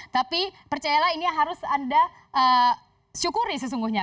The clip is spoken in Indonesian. tapi percayalah ini harus anda syukuri sesungguhnya